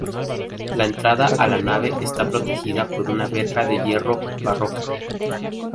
La entrada a la nave está protegida por una verja de hierro barroca.